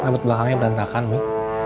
labet belakangnya berantakan mi